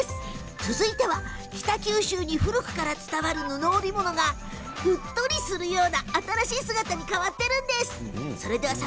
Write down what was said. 続いては北九州に古くから伝わる布織物がうっとりするような新しい姿に変わっているんです。